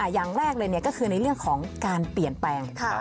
อย่างแรกเลยก็คือในเรื่องของการเปลี่ยนแปลง